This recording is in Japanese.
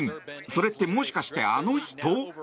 それって、もしかしてあの人？